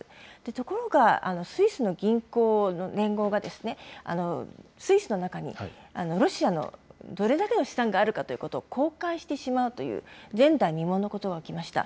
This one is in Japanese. ところが、スイスの銀行の連合が、スイスの中にロシアのどれだけの資産があるかということを公開してしまうという、前代未聞のことが起きました。